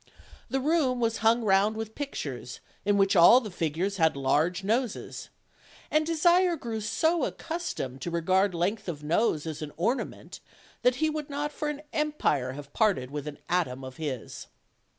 The room was hung round with pic tures, in which all the figures had large noses, and De sire grew so accustomed to regard length of nose as an ornament that he would not for an empire have parted with an atom of his.